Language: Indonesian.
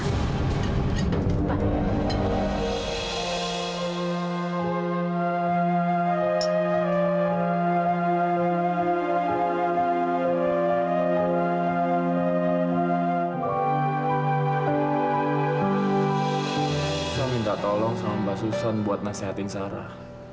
saya minta tolong sama mbak susan buat nasehatin sarah